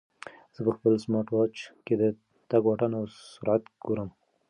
زه په خپل سمارټ واچ کې د تګ واټن او سرعت ګورم.